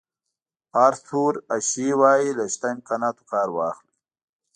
آرثور اشي وایي له شته امکاناتو کار واخلئ.